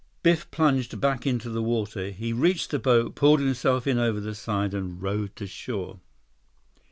Biff plunged back into the water. He reached the boat, pulled himself in over the side, and rowed to shore.